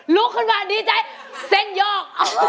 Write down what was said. ลุกลดมาดีใจเส้นยอก